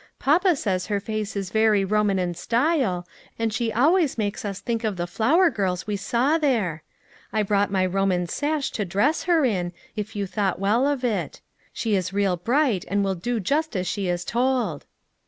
Papa says her face is very Roman in style, and she always makes us think of the flower girls we saw there. I brought my Roman sash to dress her in, if you thought well of it ; she is real bright, and will do just as she is told."